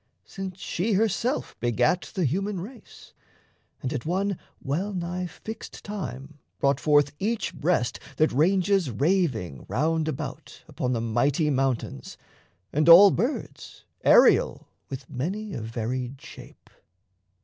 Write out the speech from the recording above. Since she herself begat the human race, And at one well nigh fixed time brought forth Each breast that ranges raving round about Upon the mighty mountains and all birds Aerial with many a varied shape.